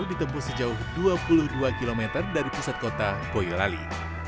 ditempuh sejauh dua puluh dua km dari pusat kota boyolali